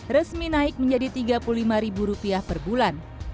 resmi naik menjadi rp tiga puluh lima per bulan